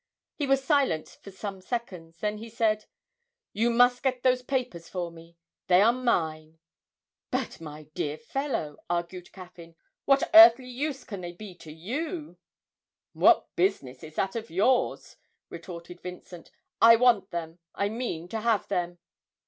He was silent for some seconds, then he said: 'You must get those papers for me: they are mine.' 'But, my dear fellow,' argued Caffyn, 'what earthly use can they be to you?' 'What business is that of yours?' retorted Vincent. 'I want them I mean to have them.'